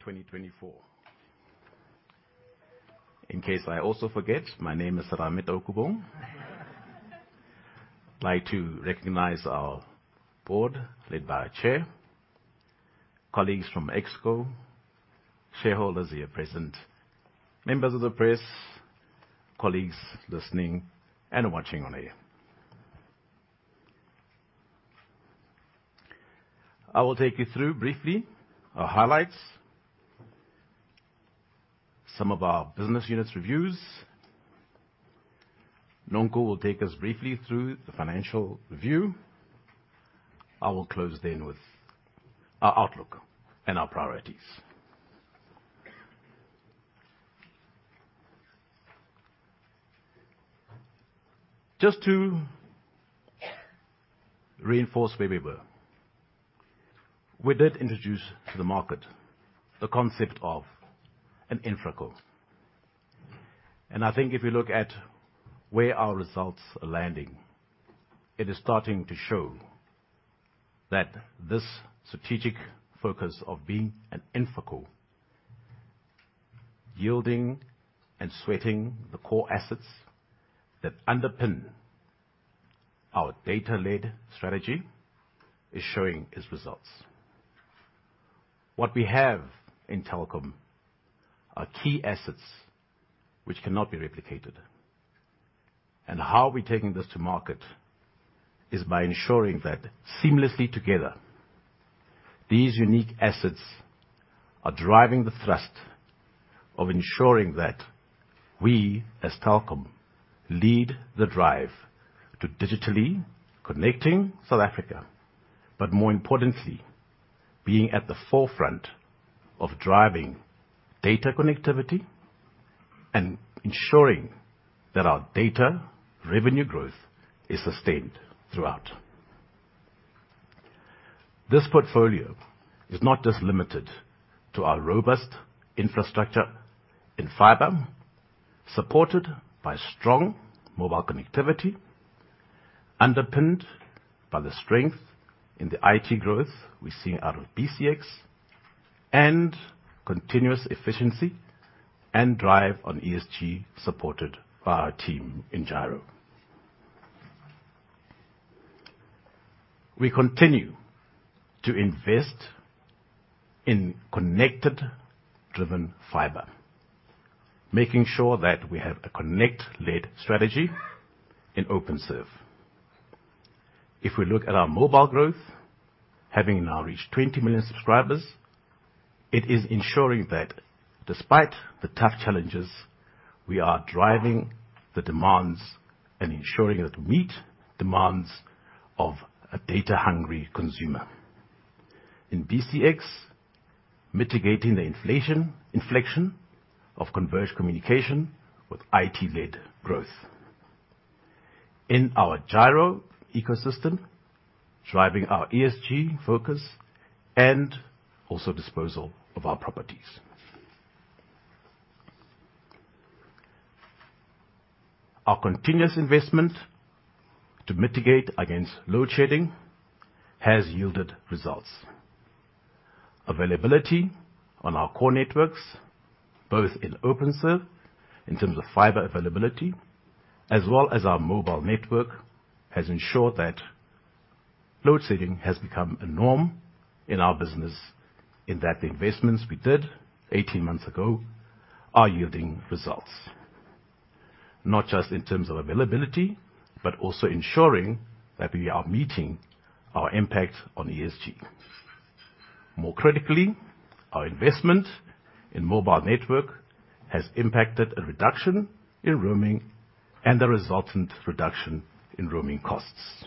2024. In case I also forget, my name is Serame Taukobong. I'd like to recognize our board led by a chair, colleagues from Exco, shareholders here present, members of the press, colleagues listening and watching on air. I will take you through briefly our highlights, some of our business unit reviews. Nonko will take us briefly through the financial view. I will close then with our outlook and our priorities. Just to reinforce where we were, we did introduce to the market the concept of an InfraCo. I think if you look at where our results are landing, it is starting to show that this strategic focus of being an InfraCo, yielding and sweating the core assets that underpin our data-led strategy, is showing its results. What we have in Telkom are key assets which cannot be replicated. How we're taking this to market is by ensuring that seamlessly together, these unique assets are driving the thrust of ensuring that we as Telkom lead the drive to digitally connecting South Africa, but more importantly, being at the forefront of driving data connectivity and ensuring that our data revenue growth is sustained throughout. This portfolio is not just limited to our robust infrastructure in fiber, supported by strong mobile connectivity, underpinned by the strength in the IT growth we're seeing out of BCX, and continuous efficiency and drive on ESG supported by our team in Gyro. We continue to invest in connected-driven fiber, making sure that we have a connect-led strategy in OpenServe. If we look at our mobile growth, having now reached 20 million subscribers, it is ensuring that despite the tough challenges, we are driving the demands and ensuring that we meet demands of a data-hungry consumer. In BCX, mitigating the inflation of converged communication with IT-led growth. In our Gyro ecosystem, driving our ESG focus and also disposal of our properties. Our continuous investment to mitigate against load shedding has yielded results. Availability on our core networks, both in OpenServe in terms of fiber availability, as well as our mobile network, has ensured that load shedding has become a norm in our business in that the investments we did 18 months ago are yielding results, not just in terms of availability, but also ensuring that we are meeting our impact on ESG. More critically, our investment in mobile network has impacted a reduction in roaming and the resultant reduction in roaming costs.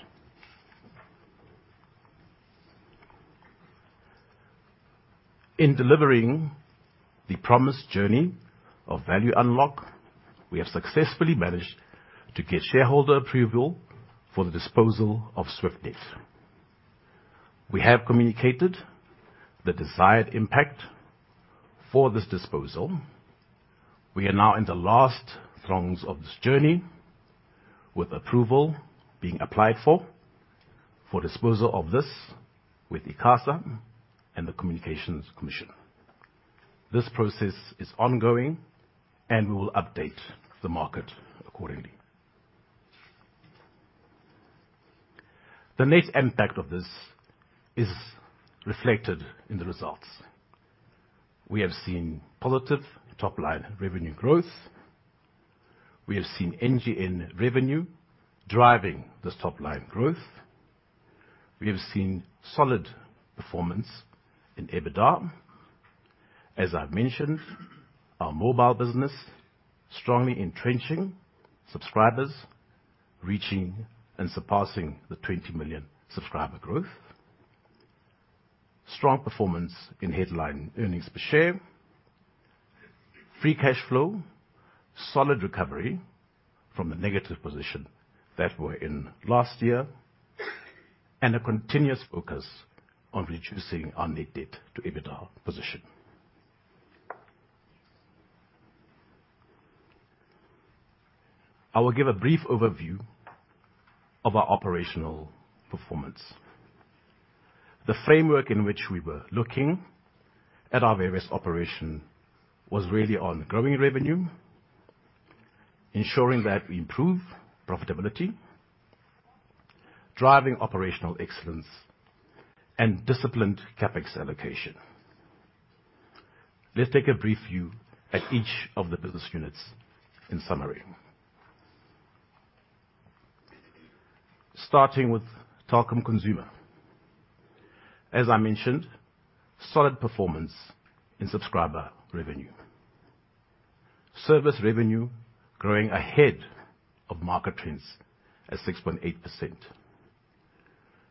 In delivering the promised journey of value unlock, we have successfully managed to get shareholder approval for the disposal of SwiftNet. We have communicated the desired impact for this disposal. We are now in the last throes of this journey, with approval being applied for disposal of this with ICASA and the Competition Commission. This process is ongoing, and we will update the market accordingly. The net impact of this is reflected in the results. We have seen positive top-line revenue growth. We have seen NGN revenue driving this top-line growth. We have seen solid performance in EBITDA. As I've mentioned, our mobile business is strongly entrenching subscribers, reaching and surpassing the 20 million subscriber growth. Strong performance in headline earnings per share, free cash flow, solid recovery from the negative position that we were in last year, and a continuous focus on reducing our net debt to EBITDA position. I will give a brief overview of our operational performance. The framework in which we were looking at our various operations was really on growing revenue, ensuring that we improve profitability, driving operational excellence, and disciplined CapEx allocation. Let's take a brief view at each of the business units in summary. Starting with Telkom Consumer. As I mentioned, solid performance in subscriber revenue. Service revenue growing ahead of market trends at 6.8%.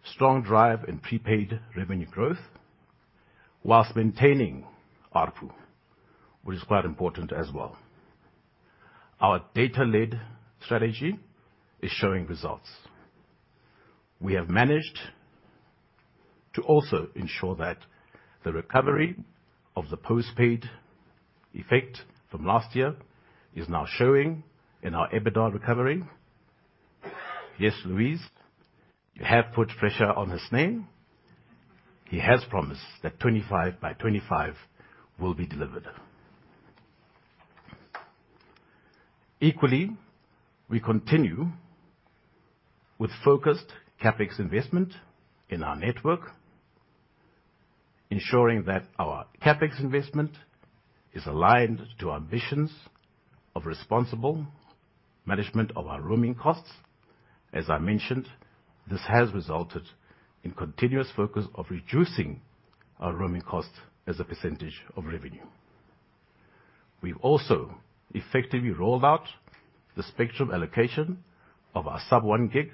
Strong drive in prepaid revenue growth while maintaining ARPU, which is quite important as well. Our data-led strategy is showing results. We have managed to also ensure that the recovery of the postpaid effect from last year is now showing in our EBITDA recovery. Yes, Louise, you have put pressure on his name. He has promised that 25 by 25 will be delivered. Equally, we continue with focused CapEx investment in our network, ensuring that our CapEx investment is aligned to our missions of responsible management of our roaming costs. As I mentioned, this has resulted in continuous focus on reducing our roaming costs as a percentage of revenue. We've also effectively rolled out the spectrum allocation of our sub-1 gig,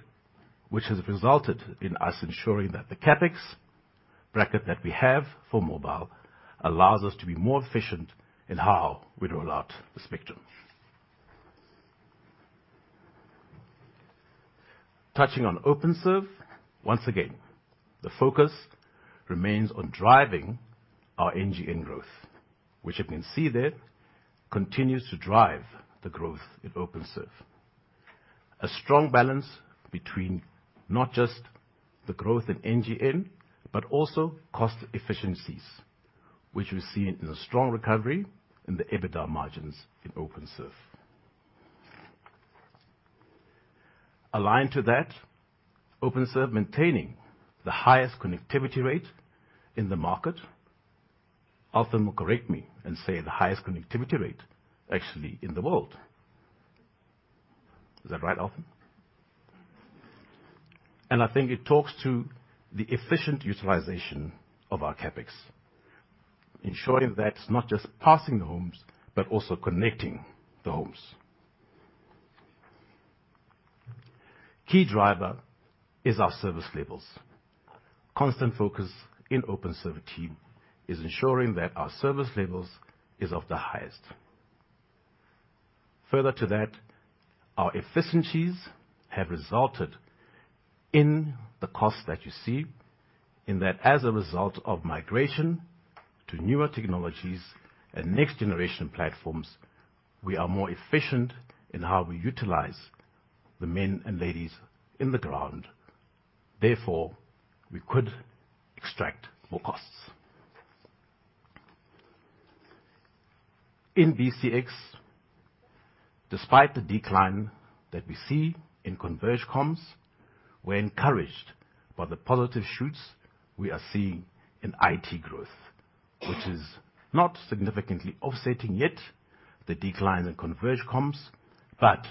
which has resulted in us ensuring that the CapEx bracket that we have for mobile allows us to be more efficient in how we roll out the spectrum. Touching on OpenServe, once again, the focus remains on driving our NGN growth, which you can see there continues to drive the growth in OpenServe. A strong balance between not just the growth in NGN, but also cost efficiencies, which we've seen in a strong recovery in the EBITDA margins in OpenServe. Aligned to that, OpenServe is maintaining the highest connectivity rate in the market. Althon, correct me and say the highest connectivity rate actually in the world. Is that right, Althon? And I think it talks to the efficient utilization of our CapEx, ensuring that it's not just passing the homes, but also connecting the homes. Key driver is our service levels. Constant focus in the OpenServe team is ensuring that our service levels are of the highest. Further to that, our efficiencies have resulted in the costs that you see, in that as a result of migration to newer technologies and next-generation platforms, we are more efficient in how we utilize the men and ladies in the ground. Therefore, we could extract more costs. In BCX, despite the decline that we see in converged comms, we're encouraged by the positive shoots we are seeing in IT growth, which is not significantly offsetting yet the decline in converged comms, but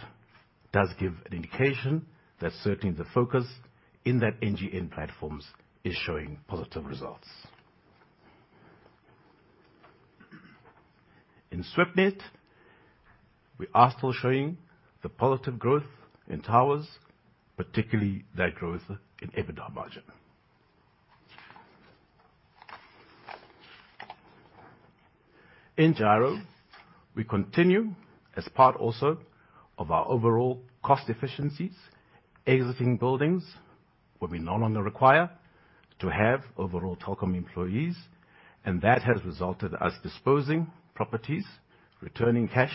does give an indication that certainly the focus in that NGN platforms is showing positive results. In SwiftNet, we are still showing the positive growth in towers, particularly that growth in EBITDA margin. In Gyro, we continue, as part also of our overall cost efficiencies, exiting buildings where we no longer require to have overall Telkom employees, and that has resulted in us disposing properties, returning cash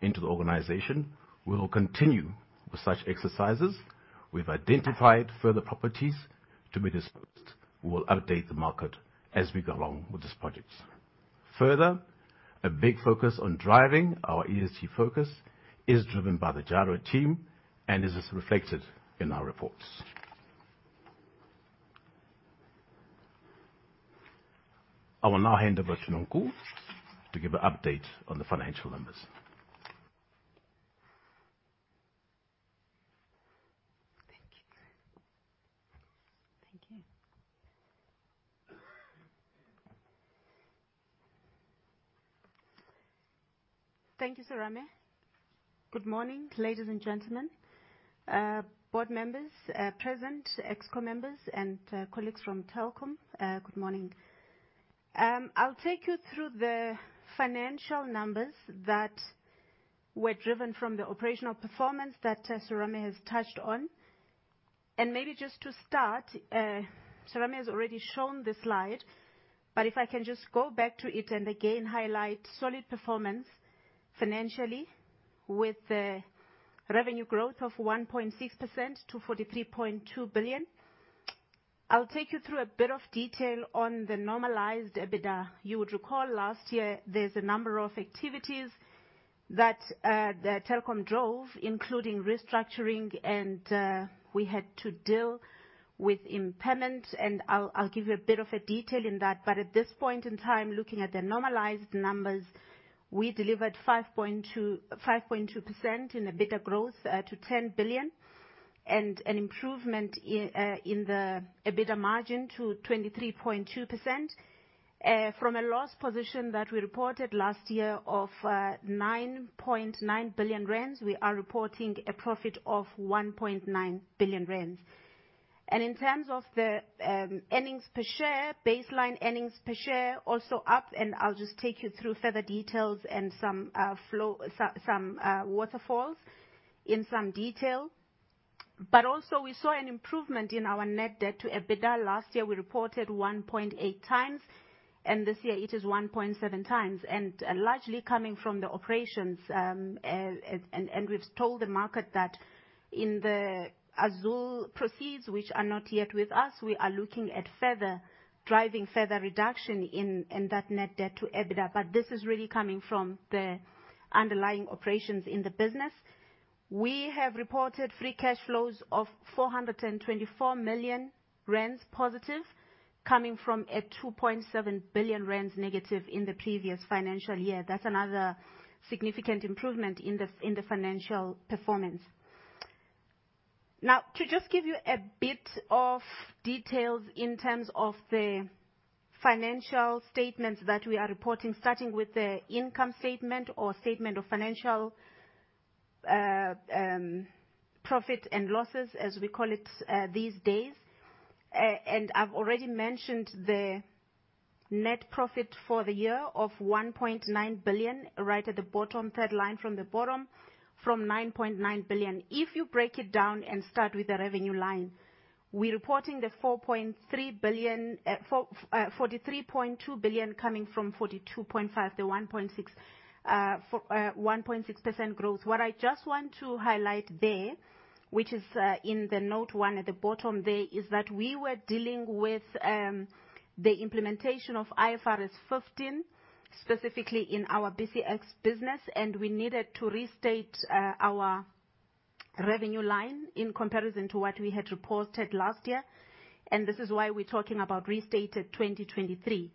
into the organization. We will continue with such exercises. We've identified further properties to be disposed. We will update the market as we go along with this project. Further, a big focus on driving our ESG focus is driven by the Gyro team, and this is reflected in our reports. I will now hand over to Nonko to give an update on the financial numbers. Thank you. Thank you. Thank you, Serame. Good morning, ladies and gentlemen, board members, present, Exco members, and colleagues from Telkom. Good morning. I'll take you through the financial numbers that were driven from the operational performance that Serame has touched on. Maybe just to start, Serame has already shown the slide, but if I can just go back to it and again highlight solid performance financially with the revenue growth of 1.6% to 43.2 billion. I'll take you through a bit of detail on the normalized EBITDA. You would recall last year there's a number of activities that Telkom drove, including restructuring, and we had to deal with impairment. I'll give you a bit of a detail in that. But at this point in time, looking at the normalized numbers, we delivered 5.2% in EBITDA growth to 10 billion and an improvement in the EBITDA margin to 23.2%. From a loss position that we reported last year of 9.9 billion rand, we are reporting a profit of 1.9 billion rand. And in terms of the earnings per share, baseline earnings per share also up, and I'll just take you through further details and some waterfalls in some detail. But also, we saw an improvement in our net debt to EBITDA. Last year, we reported 1.8 times, and this year it is 1.7 times, largely coming from the operations. And we've told the market that in the SwiftNet proceeds, which are not yet with us, we are looking at further driving further reduction in that net debt to EBITDA. But this is really coming from the underlying operations in the business. We have reported free cash flows of 424 million rand positive, coming from a 2.7 billion rand negative in the previous financial year. That's another significant improvement in the financial performance. Now, to just give you a bit of details in terms of the financial statements that we are reporting, starting with the income statement or statement of financial profit and losses, as we call it these days. And I've already mentioned the net profit for the year of 1.9 billion, right at the bottom, third line from the bottom, from 9.9 billion. If you break it down and start with the revenue line, we're reporting the 4.3 billion, 43.2 billion coming from 42.5 billion to 1.6% growth. What I just want to highlight there, which is in the note one at the bottom there, is that we were dealing with the implementation of IFRS 15, specifically in our BCX business, and we needed to restate our revenue line in comparison to what we had reported last year. And this is why we're talking about restated 2023.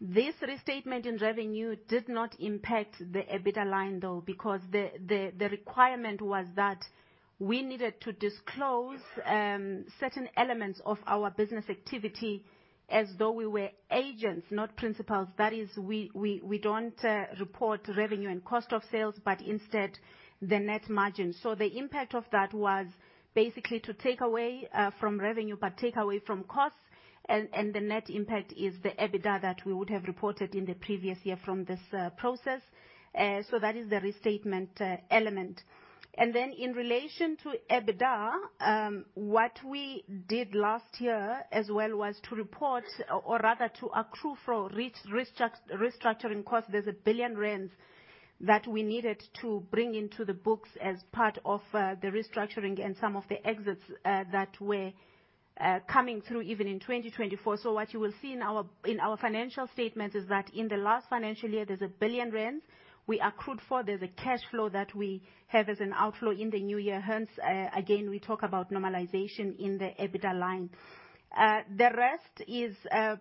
This restatement in revenue did not impact the EBITDA line, though, because the requirement was that we needed to disclose certain elements of our business activity as though we were agents, not principals. That is, we don't report revenue and cost of sales, but instead the net margin. So the impact of that was basically to take away from revenue, but take away from costs, and the net impact is the EBITDA that we would have reported in the previous year from this process. So that is the restatement element. And then in relation to EBITDA, what we did last year as well was to report, or rather to accrue for restructuring costs, there's 1 billion rand that we needed to bring into the books as part of the restructuring and some of the exits that were coming through even in 2024. So what you will see in our financial statements is that in the last financial year, there's 1 billion rand we accrued for. There's a cash flow that we have as an outflow in the new year. Hence, again, we talk about normalization in the EBITDA line. The rest is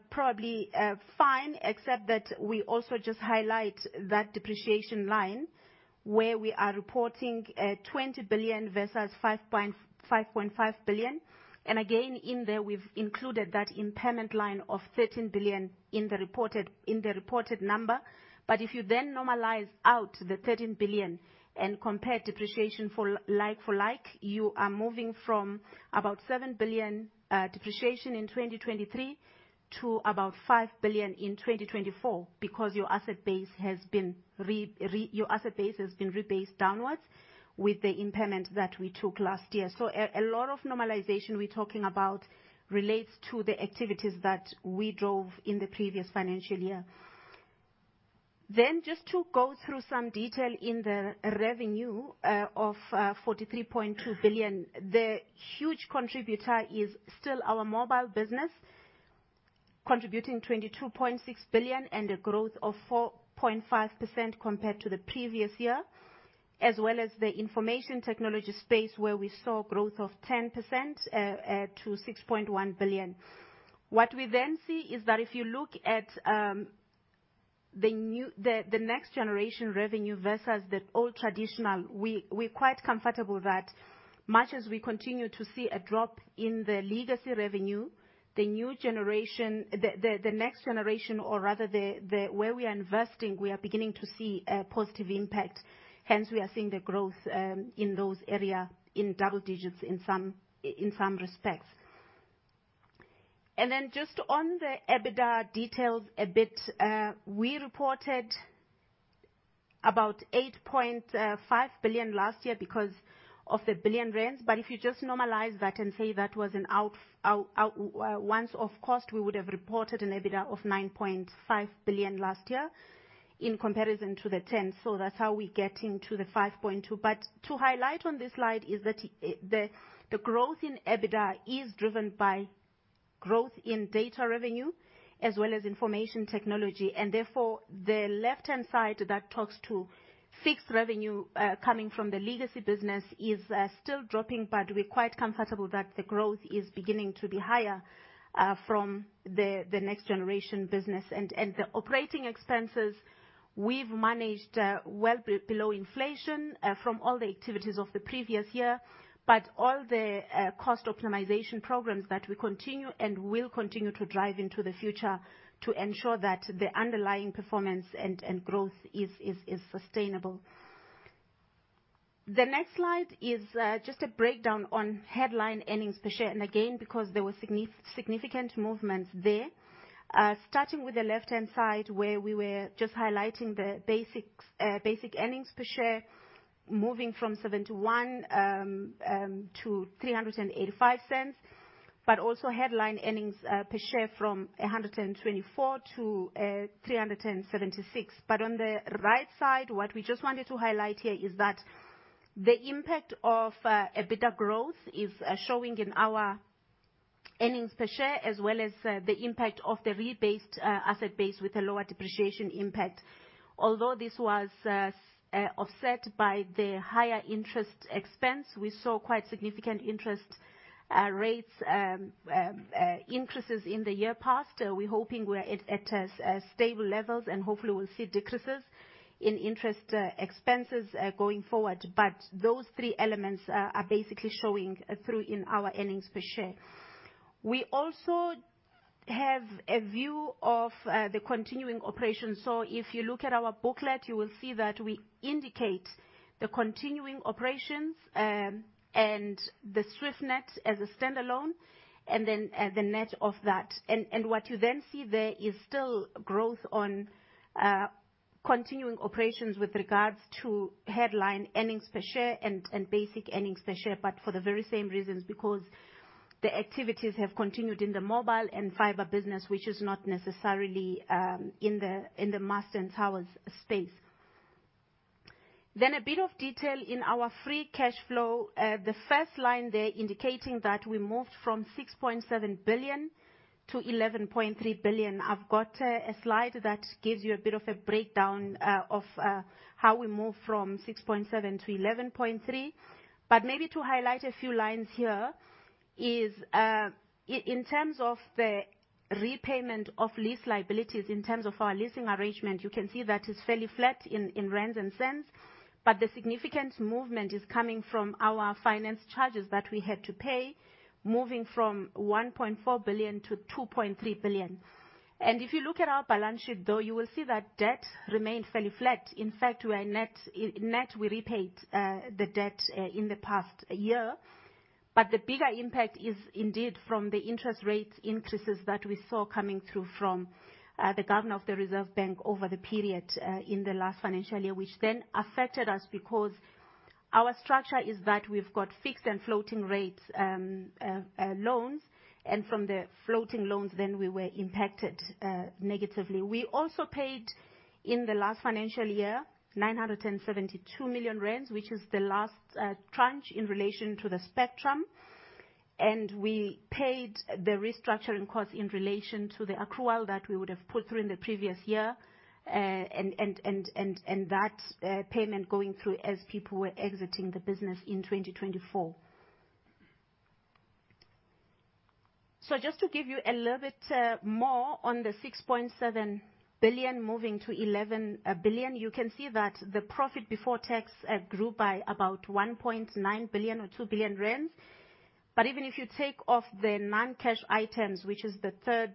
probably fine, except that we also just highlight that depreciation line where we are reporting 20 billion versus 5.5 billion. And again, in there, we've included that impairment line of 13 billion in the reported number. But if you then normalize out the 13 billion and compare depreciation for like for like, you are moving from about 7 billion depreciation in 2023 to about 5 billion in 2024 because your asset base has been rebased downwards with the impairment that we took last year. So a lot of normalization we're talking about relates to the activities that we drove in the previous financial year. Then just to go through some detail in the revenue of 43.2 billion, the huge contributor is still our mobile business, contributing 22.6 billion and a growth of 4.5% compared to the previous year, as well as the information technology space where we saw growth of 10% to 6.1 billion. What we then see is that if you look at the next generation revenue versus the old traditional, we're quite comfortable that much as we continue to see a drop in the legacy revenue, the next generation, or rather where we are investing, we are beginning to see a positive impact. Hence, we are seeing the growth in those areas in double digits in some respects. And then just on the EBITDA details a bit, we reported about 8.5 billion last year because of the billion rands. But if you just normalize that and say that was a one-off cost, we would have reported an EBITDA of 9.5 billion last year in comparison to the 10. So that's how we get into the 5.2. But to highlight on this slide is that the growth in EBITDA is driven by growth in data revenue as well as information technology. Therefore, the left-hand side that talks to fixed revenue coming from the legacy business is still dropping, but we're quite comfortable that the growth is beginning to be higher from the next generation business. The operating expenses, we've managed well below inflation from all the activities of the previous year, but all the cost optimization programs that we continue and will continue to drive into the future to ensure that the underlying performance and growth is sustainable. The next slide is just a breakdown on headline earnings per share. Again, because there were significant movements there, starting with the left-hand side where we were just highlighting the basic earnings per share, moving from 0.71-3.85, but also headline earnings per share from 1.24-3.76. But on the right side, what we just wanted to highlight here is that the impact of EBITDA growth is showing in our earnings per share as well as the impact of the rebased asset base with a lower depreciation impact. Although this was offset by the higher interest expense, we saw quite significant interest rate increases in the year past. We're hoping we're at stable levels and hopefully we'll see decreases in interest expenses going forward. But those three elements are basically showing through in our earnings per share. We also have a view of the continuing operations. So if you look at our booklet, you will see that we indicate the continuing operations and the SwiftNet as a standalone and then the net of that. What you then see there is still growth on continuing operations with regards to headline earnings per share and basic earnings per share, but for the very same reasons because the activities have continued in the mobile and fiber business, which is not necessarily in the mast and towers space. Then a bit of detail in our free cash flow, the first line there indicating that we moved from 6.7 billion to 11.3 billion. I've got a slide that gives you a bit of a breakdown of how we moved from 6.7 billion to 11.3 billion. But maybe to highlight a few lines here is in terms of the repayment of lease liabilities, in terms of our leasing arrangement, you can see that it's fairly flat in rands and cents, but the significant movement is coming from our finance charges that we had to pay, moving from 1.4 billion to 2.3 billion. And if you look at our balance sheet, though, you will see that debt remained fairly flat. In fact, we're net, we repaid the debt in the past year. But the bigger impact is indeed from the interest rate increases that we saw coming through from the Governor of the Reserve Bank over the period in the last financial year, which then affected us because our structure is that we've got fixed and floating rate loans, and from the floating loans, then we were impacted negatively. We also paid in the last financial year 972 million rand, which is the last tranche in relation to the spectrum. We paid the restructuring costs in relation to the accrual that we would have put through in the previous year, and that payment going through as people were exiting the business in 2024. Just to give you a little bit more on the 6.7 billion moving to 11 billion, you can see that the profit before tax grew by about 1.9 billion or 2 billion rand. Even if you take off the non-cash items, which is the third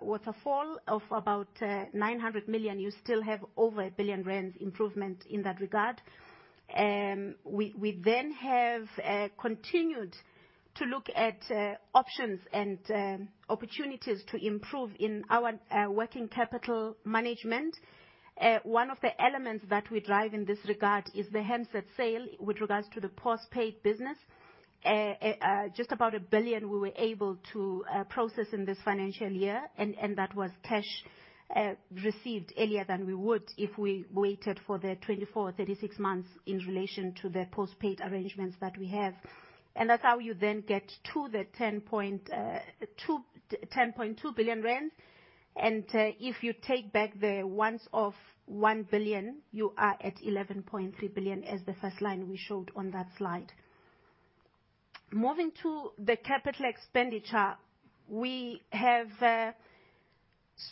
waterfall of about 900 million, you still have over 1 billion rands improvement in that regard. We then have continued to look at options and opportunities to improve in our working capital management. One of the elements that we drive in this regard is the handset sale with regards to the postpaid business. Just about 1 billion we were able to process in this financial year, and that was cash received earlier than we would if we waited for the 24 or 36 months in relation to the postpaid arrangements that we have. That's how you then get to the 10.2 billion rand. If you take back the one-off of 1 billion, you are at 11.3 billion as the first line we showed on that slide. Moving to the capital expenditure, we have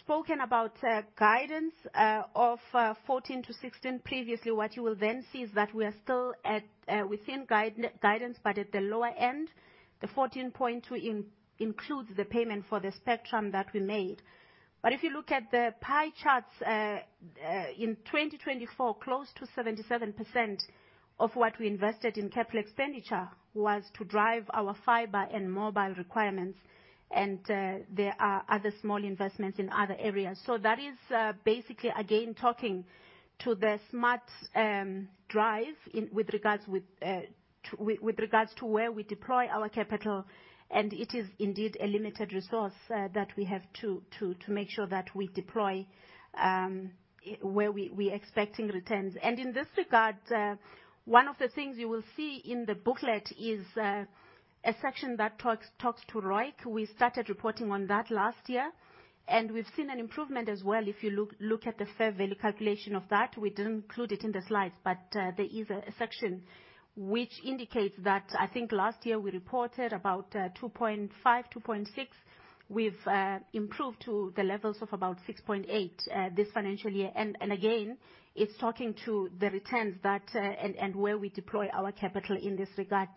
spoken about guidance of 14 billion-16 billion. Previously, what you will then see is that we are still within guidance, but at the lower end. The 14.2 includes the payment for the spectrum that we made. But if you look at the pie charts, in 2024, close to 77% of what we invested in capital expenditure was to drive our fiber and mobile requirements, and there are other small investments in other areas. So that is basically, again, talking to the smart drive with regards to where we deploy our capital. And it is indeed a limited resource that we have to make sure that we deploy where we are expecting returns. And in this regard, one of the things you will see in the booklet is a section that talks to ROIC. We started reporting on that last year, and we've seen an improvement as well. If you look at the fair value calculation of that, we didn't include it in the slides, but there is a section which indicates that I think last year we reported about 2.5, 2.6. We've improved to the levels of about 6.8 this financial year. Again, it's talking to the returns and where we deploy our capital in this regard.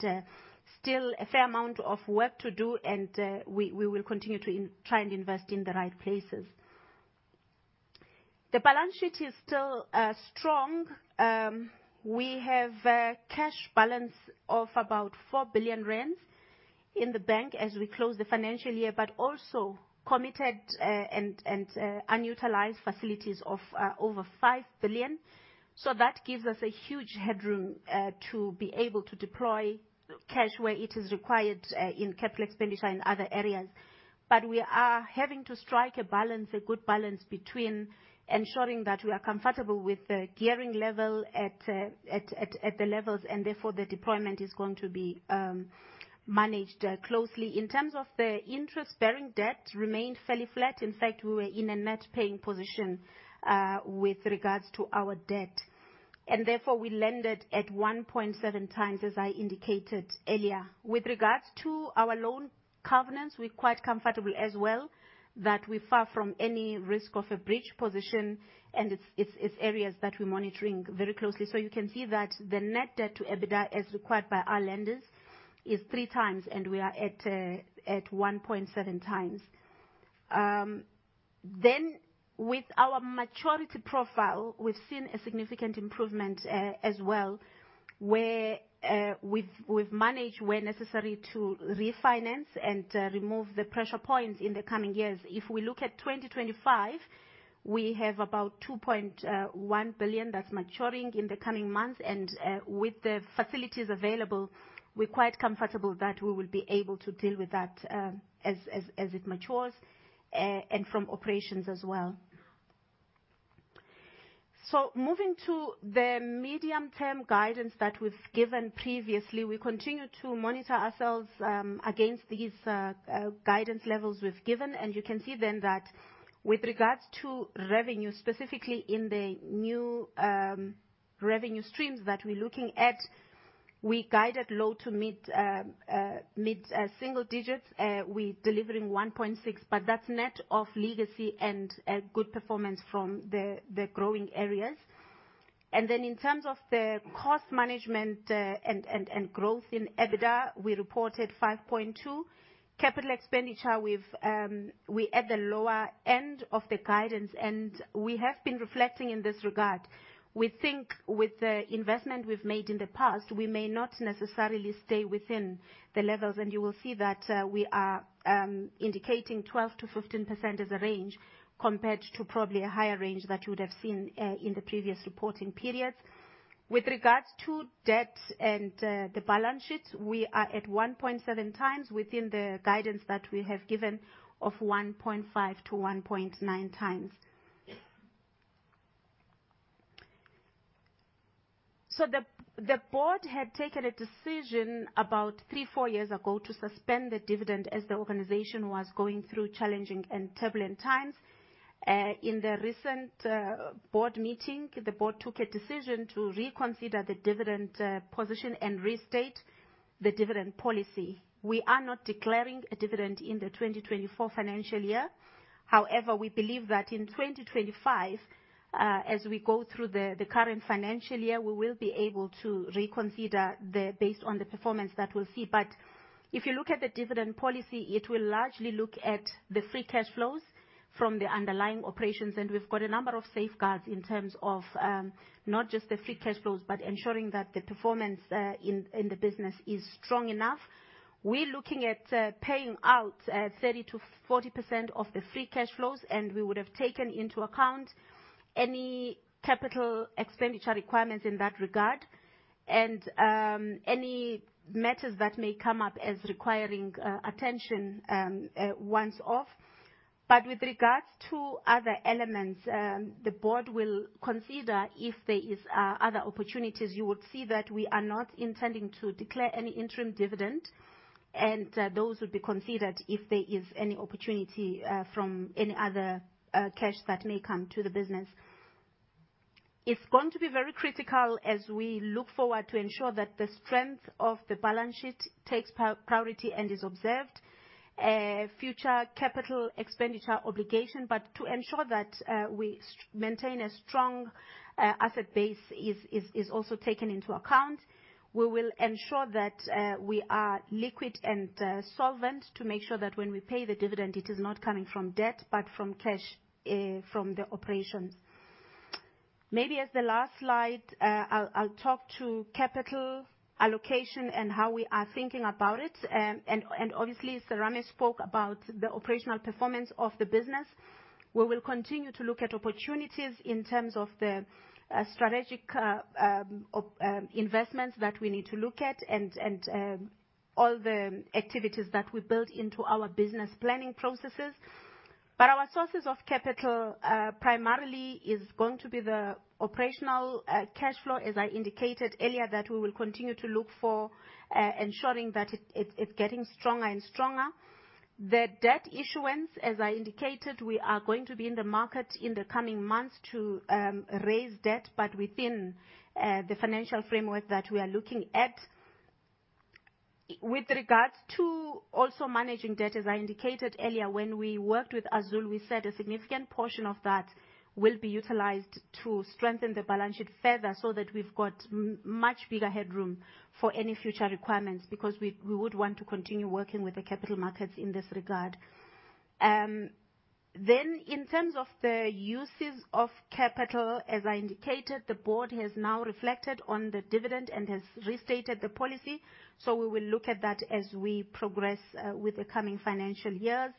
Still, a fair amount of work to do, and we will continue to try and invest in the right places. The balance sheet is still strong. We have a cash balance of about 4 billion rand in the bank as we close the financial year, but also committed and unutilized facilities of over 5 billion. That gives us a huge headroom to be able to deploy cash where it is required in capital expenditure in other areas. We are having to strike a balance, a good balance between ensuring that we are comfortable with the gearing level at the levels, and therefore the deployment is going to be managed closely. In terms of the interest-bearing debt, it remained fairly flat. In fact, we were in a net paying position with regards to our debt. Therefore, we landed at 1.7 times, as I indicated earlier. With regards to our loan covenants, we're quite comfortable as well that we're far from any risk of a breach position, and it's areas that we're monitoring very closely. So you can see that the net debt to EBITDA, as required by our lenders, is three times, and we are at 1.7 times. With our maturity profile, we've seen a significant improvement as well. We've managed where necessary to refinance and remove the pressure points in the coming years. If we look at 2025, we have about 2.1 billion that's maturing in the coming months. With the facilities available, we're quite comfortable that we will be able to deal with that as it matures and from operations as well. So moving to the medium-term guidance that we've given previously, we continue to monitor ourselves against these guidance levels we've given. And you can see then that with regards to revenue, specifically in the new revenue streams that we're looking at, we guided low to mid single digits. We're delivering 1.6, but that's net of legacy and good performance from the growing areas. And then in terms of the cost management and growth in EBITDA, we reported 5.2. Capital expenditure, we're at the lower end of the guidance, and we have been reflecting in this regard. We think with the investment we've made in the past, we may not necessarily stay within the levels. And you will see that we are indicating 12%-15% as a range compared to probably a higher range that you would have seen in the previous reporting periods. With regards to debt and the balance sheet, we are at 1.7 times within the guidance that we have given of 1.5-1.9 times. So the board had taken a decision about 3, 4 years ago to suspend the dividend as the organization was going through challenging and turbulent times. In the recent board meeting, the board took a decision to reconsider the dividend position and restate the dividend policy. We are not declaring a dividend in the 2024 financial year. However, we believe that in 2025, as we go through the current financial year, we will be able to reconsider based on the performance that we'll see. But if you look at the dividend policy, it will largely look at the free cash flows from the underlying operations. We've got a number of safeguards in terms of not just the free cash flows, but ensuring that the performance in the business is strong enough. We're looking at paying out 30%-40% of the free cash flows, and we would have taken into account any capital expenditure requirements in that regard and any matters that may come up as requiring attention once off. With regards to other elements, the board will consider if there are other opportunities. You would see that we are not intending to declare any interim dividend, and those would be considered if there is any opportunity from any other cash that may come to the business. It's going to be very critical as we look forward to ensure that the strength of the balance sheet takes priority and is observed. Future capital expenditure obligation, but to ensure that we maintain a strong asset base is also taken into account. We will ensure that we are liquid and solvent to make sure that when we pay the dividend, it is not coming from debt, but from cash from the operations. Maybe as the last slide, I'll talk to capital allocation and how we are thinking about it. Obviously, Serame spoke about the operational performance of the business. We will continue to look at opportunities in terms of the strategic investments that we need to look at and all the activities that we build into our business planning processes. Our sources of capital primarily are going to be the operational cash flow, as I indicated earlier, that we will continue to look for, ensuring that it's getting stronger and stronger. The debt issuance, as I indicated, we are going to be in the market in the coming months to raise debt, but within the financial framework that we are looking at. With regards to also managing debt, as I indicated earlier, when we worked with SwiftNet, we said a significant portion of that will be utilized to strengthen the balance sheet further so that we've got much bigger headroom for any future requirements because we would want to continue working with the capital markets in this regard. Then, in terms of the uses of capital, as I indicated, the board has now reflected on the dividend and has restated the policy. So we will look at that as we progress with the coming financial years.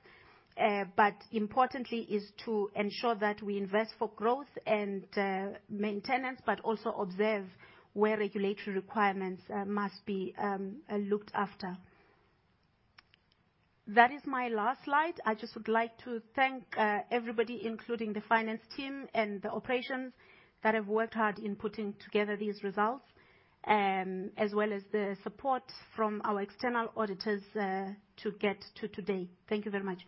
But importantly, it is to ensure that we invest for growth and maintenance, but also observe where regulatory requirements must be looked after. That is my last slide. I just would like to thank everybody, including the finance team and the operations that have worked hard in putting together these results, as well as the support from our external auditors to get to today. Thank you very much.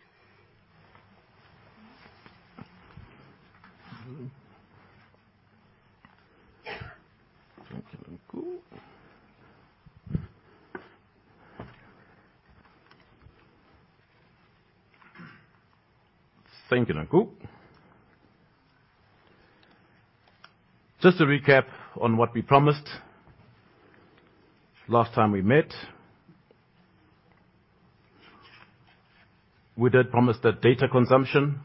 Thank you, Nonkululeko. Just to recap on what we promised last time we met, we did promise that data consumption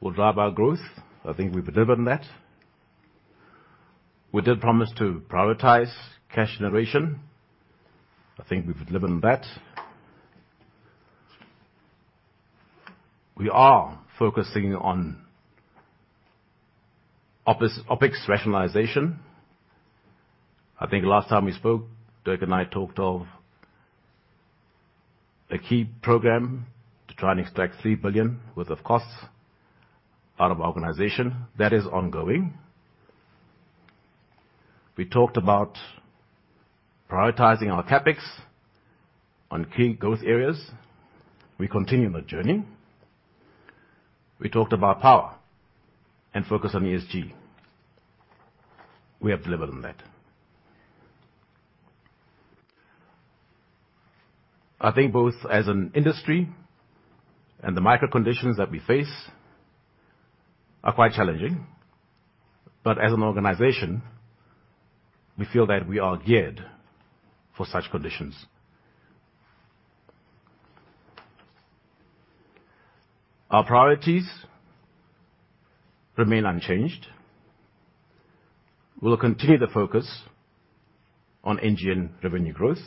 would drive our growth. I think we've delivered on that. We did promise to prioritize cash generation. I think we've delivered on that. We are focusing on OpEx rationalization. I think last time we spoke, Dirk and I talked of a key program to try and extract 3 billion worth of costs out of our organization. That is ongoing. We talked about prioritizing our CapEx on key growth areas. We continue on the journey. We talked about power and focus on ESG. We have delivered on that. I think both as an industry and the micro conditions that we face are quite challenging. But as an organization, we feel that we are geared for such conditions. Our priorities remain unchanged. We'll continue the focus on NGN revenue growth.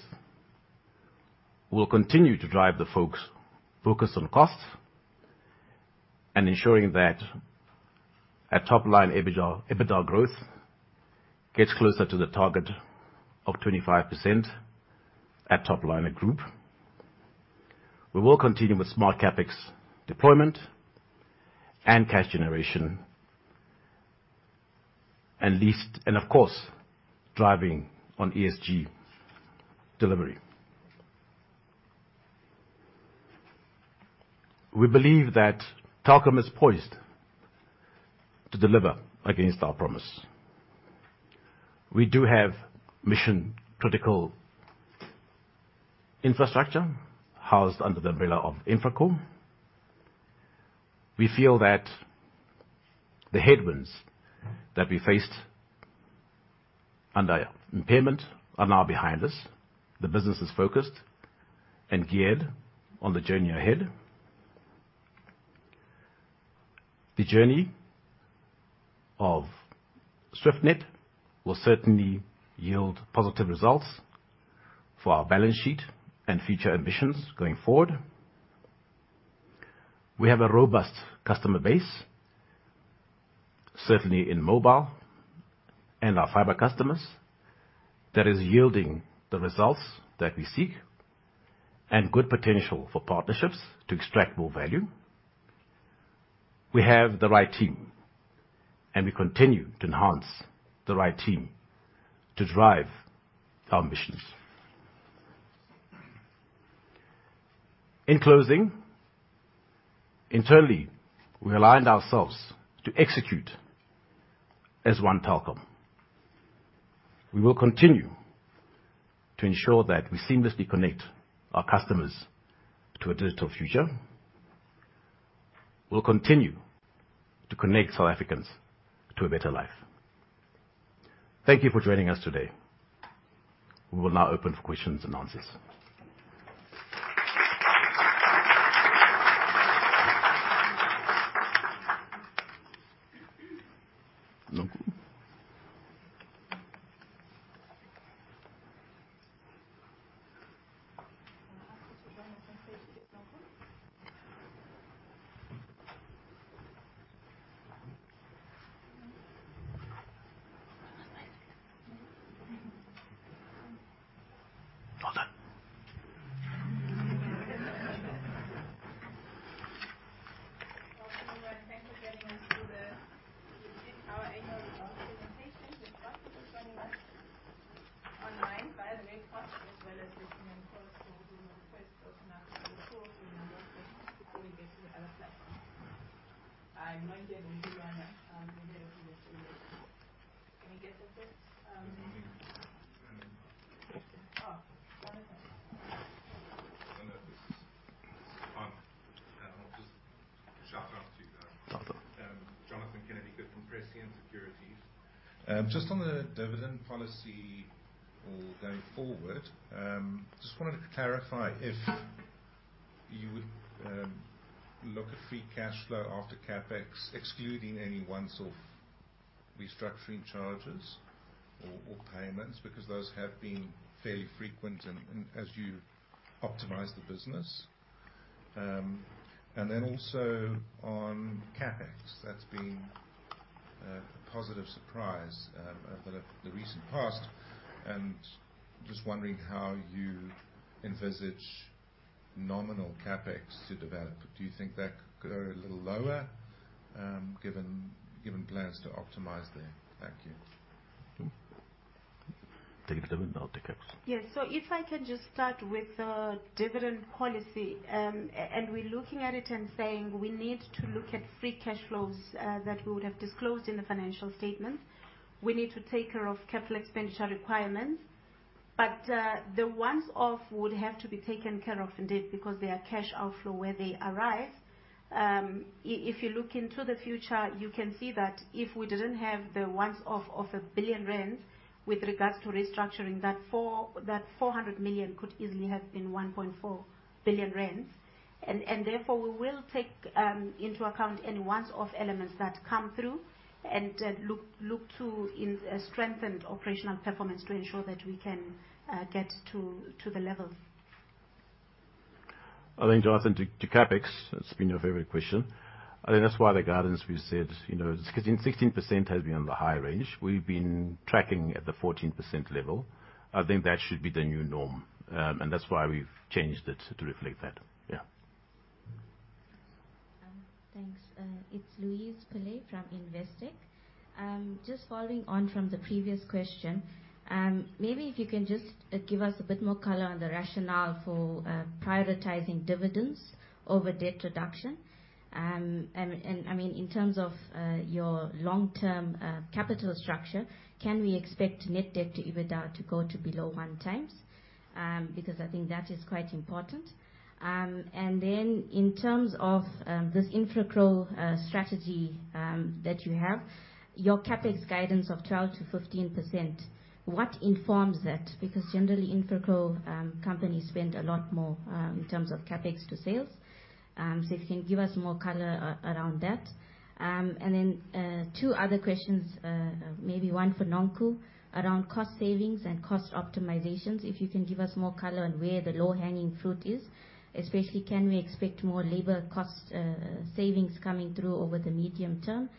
We'll continue to drive the focus on costs and ensuring that our top-line EBITDA growth gets closer to the target of 25% at top-line group. We will continue with smart CapEx deployment and cash generation and, of course, driving on ESG delivery. We believe that Telkom is poised to deliver against our promise. We do have mission-critical infrastructure housed under the umbrella of InfraCo. We feel that the headwinds that we faced under impairment are now behind us. The business is focused and geared on the journey ahead. The journey of SwiftNet will certainly yield positive results for our balance sheet and future ambitions going forward. We have a robust customer base, certainly in mobile and our fiber customers, that is yielding the results that we seek and good potential for partnerships to extract more value. We have the right team, and we continue to enhance the right team to drive our missions. In closing, internally, we aligned ourselves to execute as one Telkom. We will continue to ensure that we seamlessly connect our customers to a digital future. We'll continue to connect South Africans to a better life. Thank you for joining us today. We will now open for questions and answers. Jonathan Kennedy from Prescient Securities. Just on the dividend policy going forward, just wanted to clarify if you would look at free cash flow after CapEx, excluding any once-off restructuring charges or payments, because those have been fairly frequent as you optimize the business. And then also on CapEx, that's been a positive surprise of the recent past. And just wondering how you envisage nominal CapEx to develop. Do you think that could go a little lower given plans to optimize there? Thank you. Yeah. So if I can just start with the dividend policy, and we're looking at it and saying we need to look at free cash flows that we would have disclosed in the financial statements. We need to take care of capital expenditure requirements, but the once-off would have to be taken care of indeed because they are cash outflow where they arise. If you look into the future, you can see that if we didn't have the once-off of 1 billion rand with regards to restructuring, that 400 million could easily have been 1.4 billion rand. And therefore, we will take into account any once-off elements that come through and look to strengthen operational performance to ensure that we can get to the levels. I think, Jonathan, to CapEx, that's been your favorite question. I think that's why the guidance we've said, because in 16% has been on the high range. We've been tracking at the 14% level. I think that should be the new norm. And that's why we've changed it to reflect that. Yeah. Thanks. It's Louise Pillay from Investec. Just following on from the previous question, maybe if you can just give us a bit more color on the rationale for prioritizing dividends over debt reduction. I mean, in terms of your long-term capital structure, can we expect net debt to EBITDA to go to below 1x? Because I think that is quite important. And then in terms of this InfraCo strategy that you have, your CapEx guidance of 12%-15%, what informs that? Because generally, InfraCo companies spend a lot more in terms of CapEx to sales. So if you can give us more color around that. And then two other questions, maybe one for Nonkululeko around cost savings and cost optimizations. If you can give us more color on where the low-hanging fruit is, especially can we expect more labor cost savings coming through over the medium term?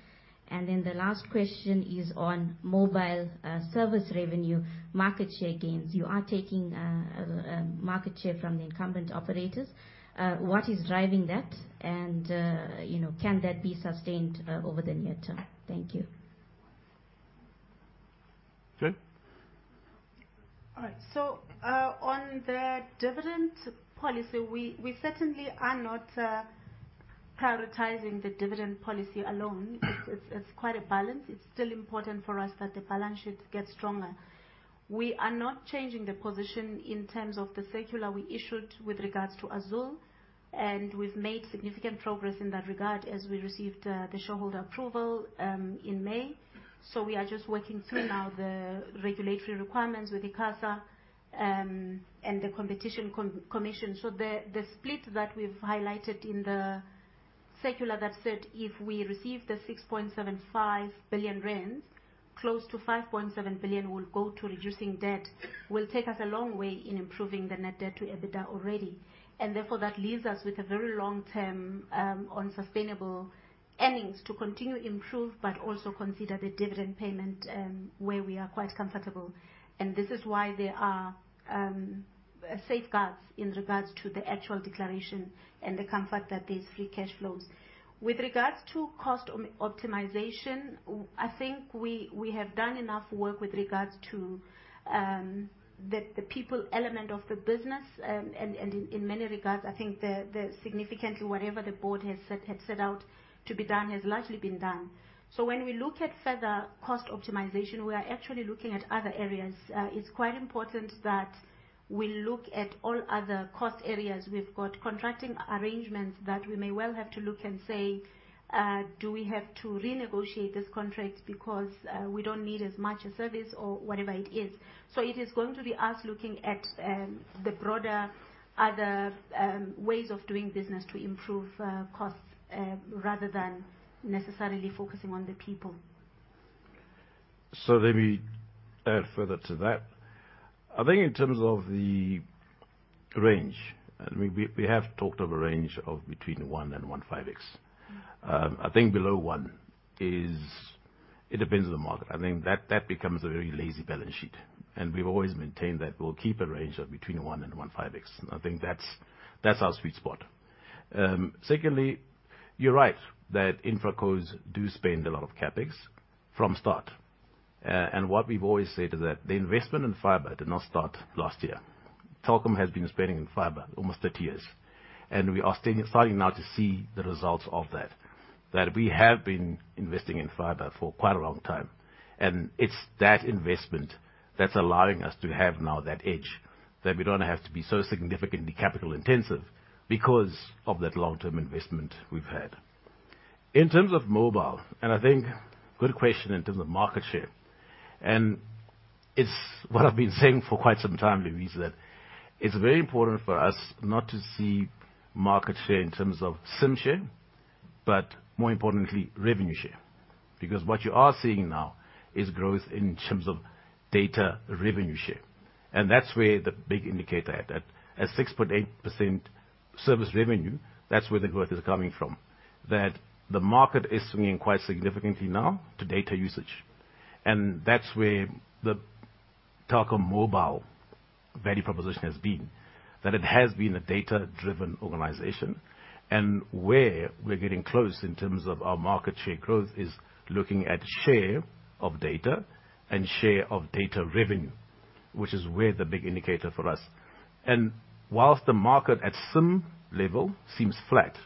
And then the last question is on mobile service revenue market share gains. You are taking market share from the incumbent operators. What is driving that? And can that be sustained over the near term? Thank you. All right. So on the dividend policy, we certainly are not prioritizing the dividend policy alone. It's quite a balance. It's still important for us that the balance sheet gets stronger. We are not changing the position in terms of the circular we issued with regards to Swiftnet, and we've made significant progress in that regard as we received the shareholder approval in May. So we are just working through now the regulatory requirements with ICASA and the Competition Commission. So the split that we've highlighted in the circular that said if we receive the 6.75 billion rands, close to 5.7 billion will go to reducing debt will take us a long way in improving the net debt to EBITDA already. And therefore, that leaves us with a very long term on sustainable earnings to continue to improve, but also consider the dividend payment where we are quite comfortable. And this is why there are safeguards in regards to the actual declaration and the comfort that these free cash flows. With regards to cost optimization, I think we have done enough work with regards to the people element of the business. And in many regards, I think significantly whatever the board has set out to be done has largely been done. So when we look at further cost optimization, we are actually looking at other areas. It's quite important that we look at all other cost areas. We've got contracting arrangements that we may well have to look and say, "Do we have to renegotiate this contract because we don't need as much a service or whatever it is?" So it is going to be us looking at the broader other ways of doing business to improve costs rather than necessarily focusing on the people. So let me add further to that. I think in terms of the range, I mean, we have talked of a range of between 1 and 1.5x. I think below 1 is it depends on the market. I think that becomes a very lazy balance sheet. And we've always maintained that we'll keep a range of between 1 and 1.5x. I think that's our sweet spot. Secondly, you're right that InfraCo do spend a lot of CapEx from start. What we've always said is that the investment in fiber did not start last year. Telkom has been spending in fiber almost 30 years. We are starting now to see the results of that, that we have been investing in fiber for quite a long time. It's that investment that's allowing us to have now that edge that we don't have to be so significantly capital intensive because of that long-term investment we've had. In terms of mobile, and I think good question in terms of market share. It's what I've been saying for quite some time, Louise, that it's very important for us not to see market share in terms of SIM share, but more importantly, revenue share. Because what you are seeing now is growth in terms of data revenue share. And that's where the big indicator at a 6.8% service revenue; that's where the growth is coming from, that the market is swinging quite significantly now to data usage. And that's where the Telkom Mobile value proposition has been, that it has been a data-driven organization. And where we're getting close in terms of our market share growth is looking at share of data and share of data revenue, which is where the big indicator for us. And while the market at SIM level seems flat,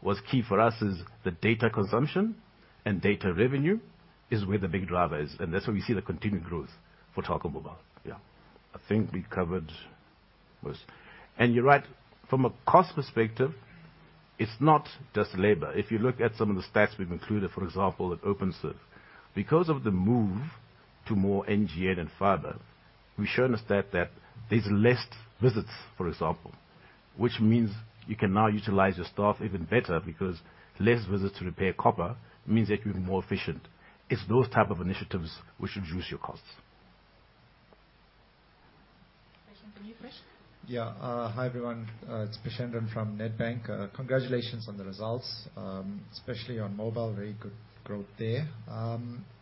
what's key for us is the data consumption and data revenue is where the big driver is. And that's where we see the continued growth for Telkom Mobile. Yeah. I think we covered most. And you're right, from a cost perspective, it's not just labor. If you look at some of the stats we've included, for example, at OpenServe, because of the move to more NGN and fiber, we've shown a stat that there's less visits, for example, which means you can now utilize your staff even better because less visits to repair copper means that you're more efficient. It's those type of initiatives which reduce your costs. Yeah. Hi everyone. It's Preshendran from Nedbank. Congratulations on the results, especially on mobile, very good growth there.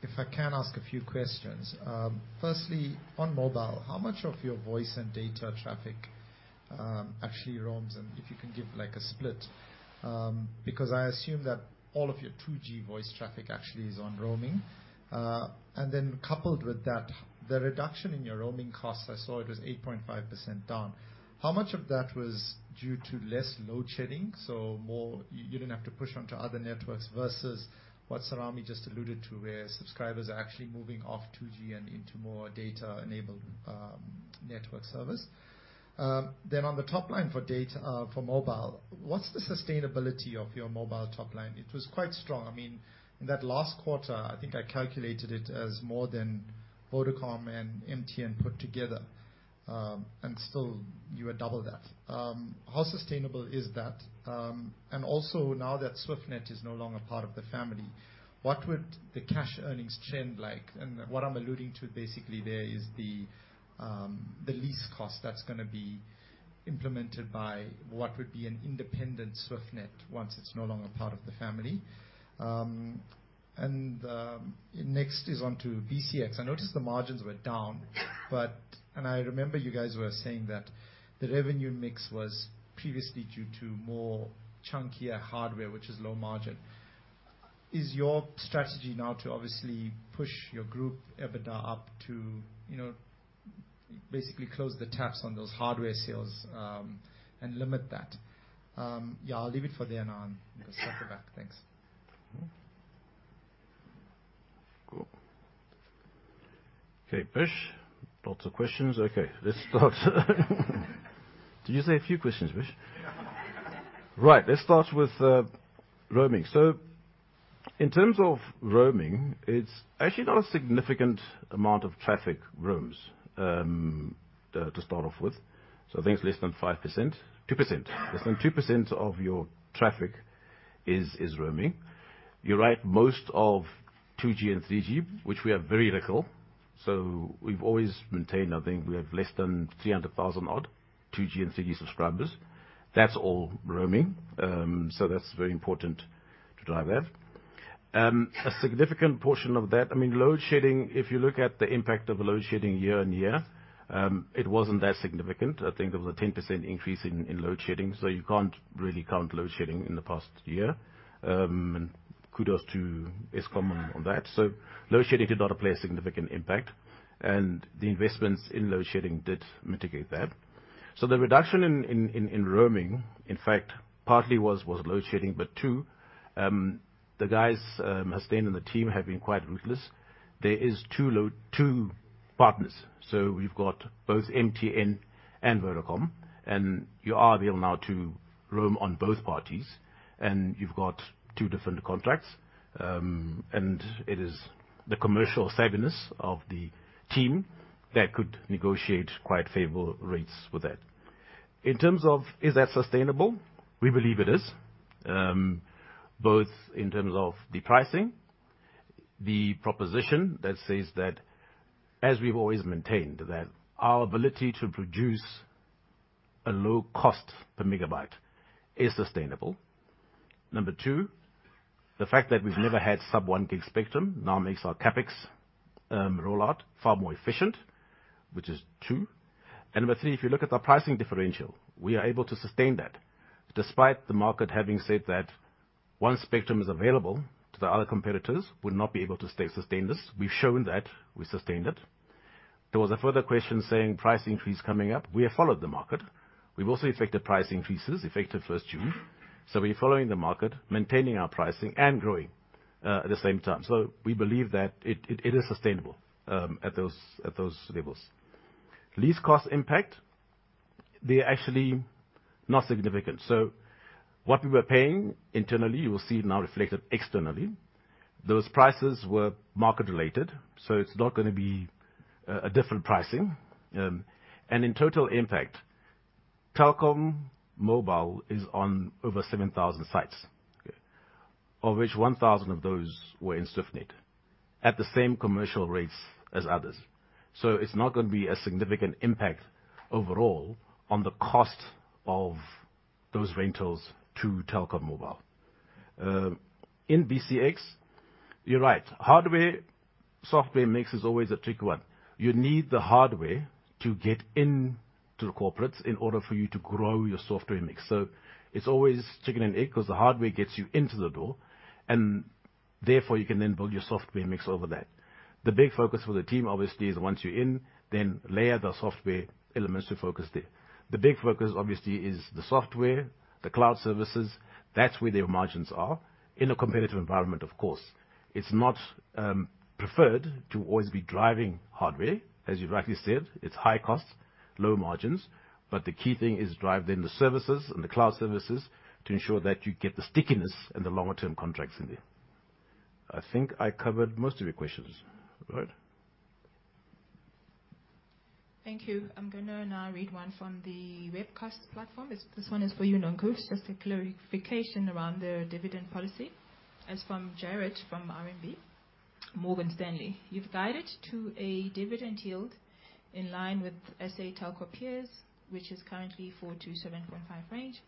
If I can ask a few questions. Firstly, on mobile, how much of your voice and data traffic actually roams? And if you can give a split, because I assume that all of your 2G voice traffic actually is on roaming. And then coupled with that, the reduction in your roaming costs, I saw it was 8.5% down. How much of that was due to less load shedding? So you didn't have to push onto other networks versus what Serame just alluded to, where subscribers are actually moving off 2G and into more data-enabled network service. Then on the top line for mobile, what's the sustainability of your mobile top line? It was quite strong. I mean, in that last quarter, I think I calculated it as more than Vodacom and MTN put together. And still, you were double that. How sustainable is that? And also now that SwiftNet is no longer part of the family, what would the cash earnings trend like? And what I'm alluding to basically there is the lease cost that's going to be implemented by what would be an independent SwiftNet once it's no longer part of the family. And next is onto BCX. I noticed the margins were down, but I remember you guys were saying that the revenue mix was previously due to more chunkier hardware, which is low margin. Is your strategy now to obviously push your group EBITDA up to basically close the taps on those hardware sales and limit that? Yeah, I'll leave it for then on the circle back. Thanks. Cool. Okay, Presh, lots of questions. Okay, let's start. Did you say a few questions, Presh? Right, let's start with roaming. So in terms of roaming, it's actually not a significant amount of traffic roams to start off with. So I think it's less than 5%. 2%. Less than 2% of your traffic is roaming. You're right, most of 2G and 3G, which we are very little. So we've always maintained, I think we have less than 300,000 odd 2G and 3G subscribers. That's all roaming. So that's very important to drive that. A significant portion of that, I mean, load shedding, if you look at the impact of load shedding year-on-year, it wasn't that significant. I think there was a 10% increase in load shedding. So you can't really count load shedding in the past year. Kudos to Eskom on that. So load shedding did not play a significant impact. And the investments in load shedding did mitigate that. So the reduction in roaming, in fact, partly was load shedding, but two, the guys who stayed on the team have been quite ruthless. There are two partners. So we've got both MTN and Vodacom. And you are able now to roam on both parties. And you've got two different contracts. And it is the commercial savviness of the team that could negotiate quite favorable rates with that. In terms of, is that sustainable? We believe it is, both in terms of the pricing, the proposition that says that, as we've always maintained, that our ability to produce a low cost per megabyte is sustainable. Number two, the fact that we've never had sub-1 gig spectrum now makes our CapEx rollout far more efficient, which is two. And number three, if you look at the pricing differential, we are able to sustain that despite the market having said that one spectrum is available to the other competitors would not be able to sustain this. We've shown that we sustained it. There was a further question saying price increase coming up. We have followed the market. We've also effected price increases effective 1st June. So we're following the market, maintaining our pricing and growing at the same time. So we believe that it is sustainable at those levels. Lease cost impact, they're actually not significant. So what we were paying internally, you will see now reflected externally. Those prices were market-related. So it's not going to be a different pricing. And in total impact, Telkom Mobile is on over 7,000 sites, of which 1,000 of those were in SwiftNet at the same commercial rates as others. So it's not going to be a significant impact overall on the cost of those rentals to Telkom Mobile. In BCX, you're right. Hardware-software mix is always a tricky one. You need the hardware to get into the corporates in order for you to grow your software mix. So it's always chicken and egg because the hardware gets you into the door. And therefore, you can then build your software mix over that. The big focus for the team, obviously, is once you're in, then layer the software elements to focus there. The big focus, obviously, is the software, the cloud services. That's where their margins are in a competitive environment, of course. It's not preferred to always be driving hardware, as you rightly said. It's high cost, low margins. But the key thing is drive then the services and the cloud services to ensure that you get the stickiness and the longer-term contracts in there. I think I covered most of your questions, right? Thank you. I'm going to now read one from the webcast platform. This one is for you, Nonkululeko. Just a clarification around the dividend policy is from Jared from RMB Morgan Stanley. You've guided to a dividend yield in line with SA Telco peers, which is currently 4%-7.5% range.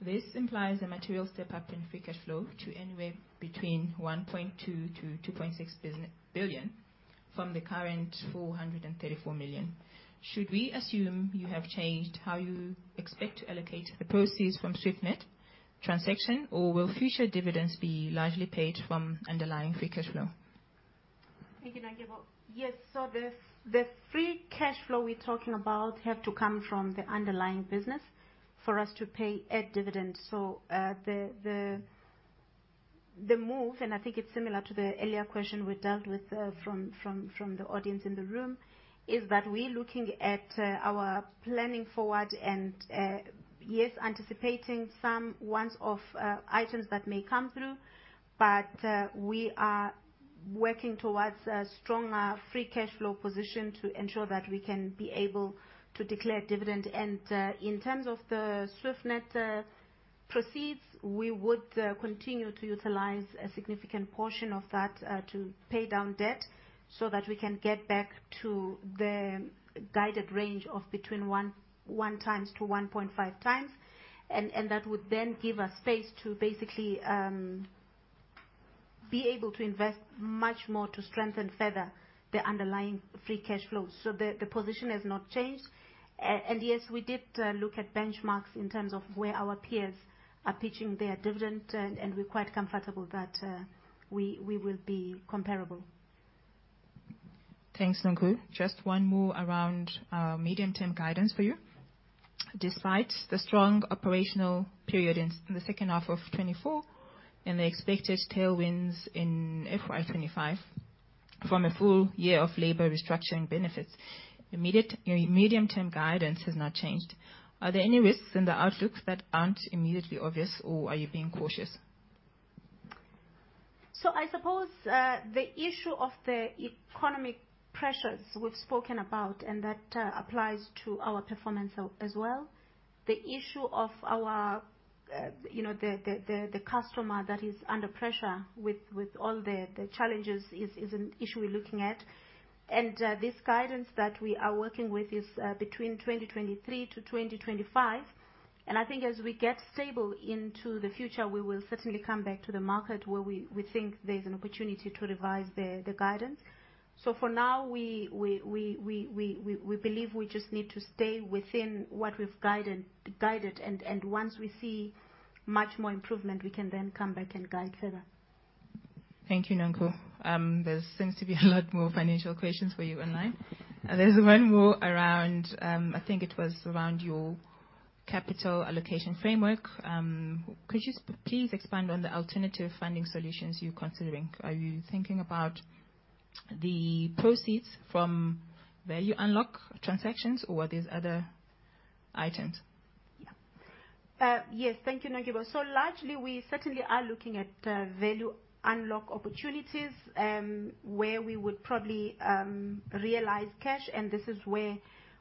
This implies a material step-up in free cash flow to anywhere between 1.2 billion-2.6 billion from the current 434 million. Should we assume you have changed how you expect to allocate the proceeds from SwiftNet transaction, or will future dividends be largely paid from underlying free cash flow? Thank you, Nonkululeko. Yes, so the free cash flow we're talking about have to come from the underlying business for us to pay a dividend. So the move, and I think it's similar to the earlier question we dealt with from the audience in the room, is that we're looking at our planning forward and, yes, anticipating some one-off items that may come through. But we are working towards a stronger free cash flow position to ensure that we can be able to declare dividend. In terms of the SwiftNet proceeds, we would continue to utilize a significant portion of that to pay down debt so that we can get back to the guided range of between 1x-1.5x. That would then give us space to basically be able to invest much more to strengthen further the underlying free cash flow. The position has not changed. Yes, we did look at benchmarks in terms of where our peers are pitching their dividend, and we're quite comfortable that we will be comparable. Thanks, Nunkoo. Just one more around medium-term guidance for you. Despite the strong operational period in the second half of 2024 and the expected tailwinds in FY25 from a full year of labor restructuring benefits, your medium-term guidance has not changed. Are there any risks in the outlook that aren't immediately obvious, or are you being cautious? So I suppose the issue of the economic pressures we've spoken about, and that applies to our performance as well. The issue of the customer that is under pressure with all the challenges is an issue we're looking at. This guidance that we are working with is between 2023 to 2025. I think as we get stable into the future, we will certainly come back to the market where we think there's an opportunity to revise the guidance. So for now, we believe we just need to stay within what we've guided. Once we see much more improvement, we can then come back and guide further. Thank you, Nunkoo. There seems to be a lot more financial questions for you online. There's one more around, I think it was around your capital allocation framework. Could you please expand on the alternative funding solutions you're considering? Are you thinking about the proceeds from value unlock transactions, or are there other items? Yes, thank you, Nondyebo. So largely, we certainly are looking at value unlock opportunities where we would probably realize cash. And this is where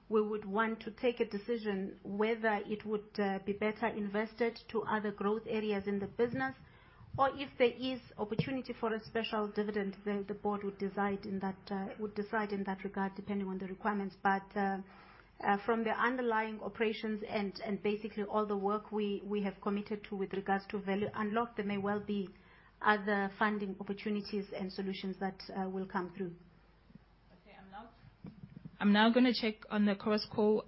we would want to take a decision whether it would be better invested to other growth areas in the business. Or if there is opportunity for a special dividend, the board would decide in that regard depending on the requirements. But from the underlying operations and basically all the work we have committed to with regards to value unlock, there may well be other funding opportunities and solutions that will come through. Okay, I'm now going to check on the Chorus Call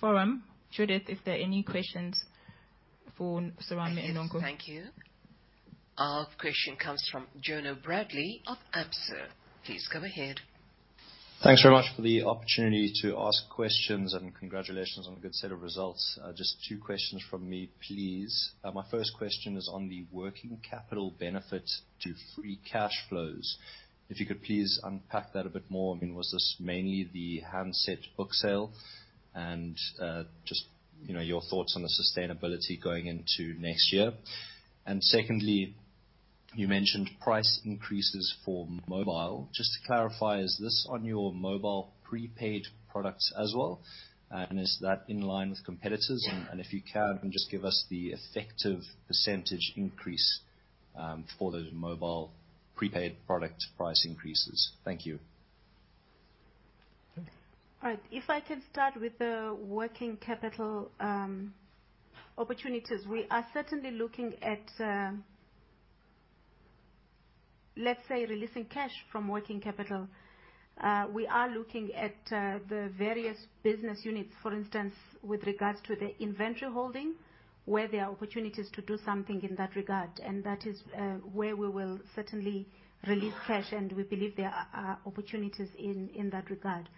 forum. Judith, if there are any questions for Serame and Nonkululeko. Thank you. Our question comes from Jonah Bradley of AMSO. Please come ahead. Thanks very much for the opportunity to ask questions. Congratulations on a good set of results. Just two questions from me, please. My first question is on the working capital benefit to free cash flows. If you could please unpack that a bit more. I mean, was this mainly the handset book sale and just your thoughts on the sustainability going into next year? Secondly, you mentioned price increases for mobile. Just to clarify, is this on your mobile prepaid products as well? And is that in line with competitors? And if you can, just give us the effective percentage increase for those mobile prepaid product price increases. Thank you. All right. If I can start with the working capital opportunities, we are certainly looking at, let's say, releasing cash from working capital. We are looking at the various business units, for instance, with regards to the inventory holding, where there are opportunities to do something in that regard. That is where we will certainly release cash. We believe there are opportunities in that regard.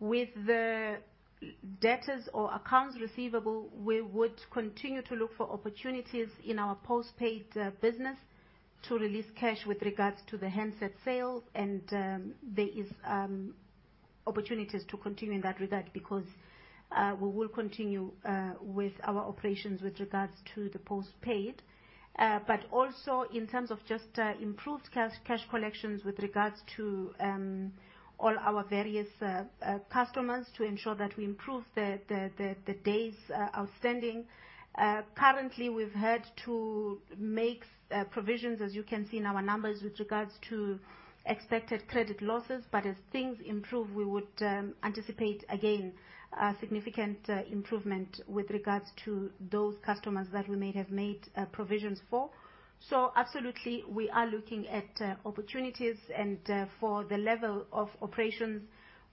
With the debtors or accounts receivable, we would continue to look for opportunities in our postpaid business to release cash with regards to the handset sale. There are opportunities to continue in that regard because we will continue with our operations with regards to the postpaid. But also in terms of just improved cash collections with regards to all our various customers to ensure that we improve the days outstanding. Currently, we've had to make provisions, as you can see in our numbers, with regards to expected credit losses. But as things improve, we would anticipate again a significant improvement with regards to those customers that we may have made provisions for. So absolutely, we are looking at opportunities. For the level of operations,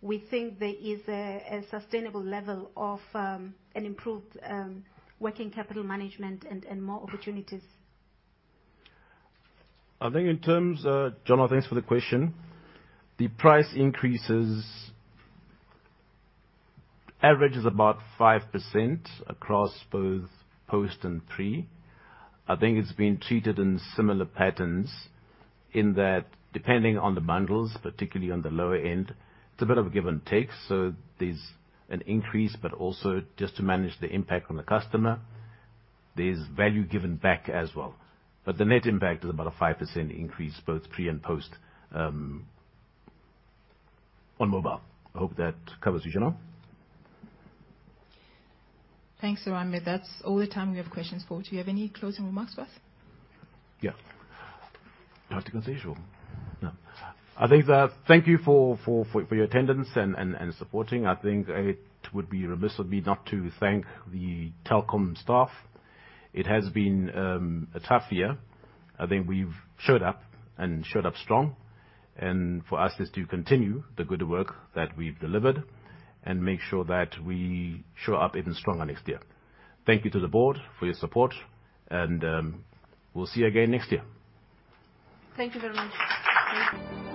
we think there is a sustainable level of an improved working capital management and more opportunities. I think in terms of Jonah, thanks for the question. The price increases average is about 5% across both post and pre. I think it's been treated in similar patterns in that depending on the bundles, particularly on the lower end, it's a bit of a give and take. So there's an increase, but also just to manage the impact on the customer, there's value given back as well. But the net impact is about a 5% increase, both pre and post on mobile. I hope that covers you, Jonah. Thanks, Serame. That's all the time we have questions for. Do you have any closing remarks? Yeah. Practical as usual. No. I think thank you for your attendance and supporting. I think it would be remiss of me not to thank the Telkom staff. It has been a tough year. I think we've showed up and showed up strong. And for us, it's to continue the good work that we've delivered and make sure that we show up even stronger next year. Thank you to the board for your support. And we'll see you again next year. Thank you very much.